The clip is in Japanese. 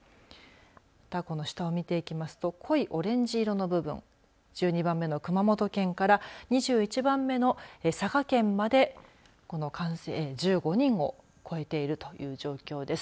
この下を見ていきますと濃いオレンジ色の部分１２番目の熊本県から２１番目の佐賀県まで、この１５人を超えているという状況です。